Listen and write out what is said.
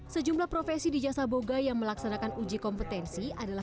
sejumlah profesi di jasa boga yang melaksanakan uji kompetensi adalah